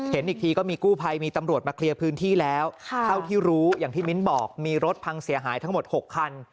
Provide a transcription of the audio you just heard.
เห็นอีกทีก็มีกู้ภัยมีตำรวจมาเคลียร์พื้นที่แล้วเท่าที่รู้อย่างที่มิ้นบอกมีรถพังเสียหายทั้งหมด๖คัน